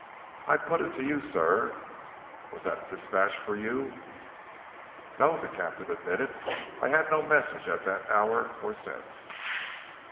I put it to you, sir was that dispatch for you?" "No," the captain admitted, "I had no message at that hour or since."